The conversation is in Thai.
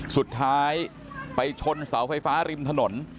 สุดท้ายไปชนเสาไฟฟ้าริมถนน